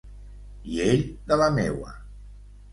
I ell de la meua.